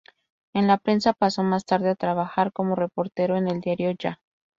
En la prensa pasó más tarde a trabajar como reportero en el "Diario Ya".